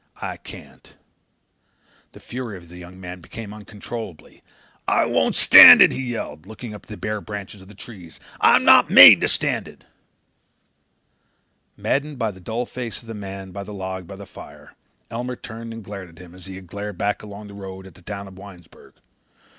I can't." The fury of the young man became uncontrollable. "I won't stand it," he yelled, looking up at the bare branches of the trees. "I'm not made to stand it." Maddened by the dull face of the man on the log by the fire, Elmer turned and glared at him as he had glared back along the road at the town of Winesburg.